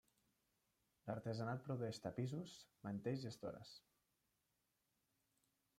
L'artesanat produeix tapissos, mantells i estores.